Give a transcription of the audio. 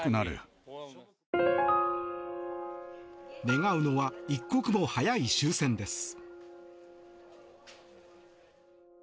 願うのは一刻も早い終戦です。